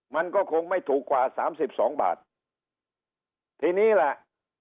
มันก็คงไม่ถูกกว่าสามสิบสองบาททีนี้แหละ